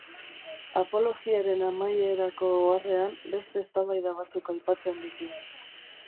Apologiaren amaierako oharrean, beste eztabaida batzuk aipatzen ditu.